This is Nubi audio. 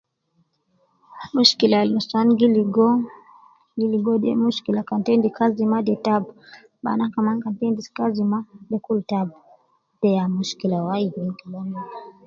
Mushkila al nus wan gi logo, mushkila gi logo kan ita endis kazi ma , de taabu. Bana kaman kan endis kazi ma, de kulu taabu ya mushkila wayi.